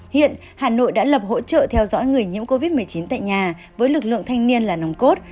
hiện hà nội đã lập hỗ trợ theo dõi người nhiễm covid một mươi chín tại nhà với lực lượng thanh niên là nồng cốt